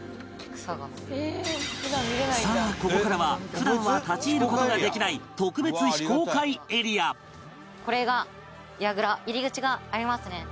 さあここからは普段は立ち入る事ができない特別非公開エリア入り口がありますね。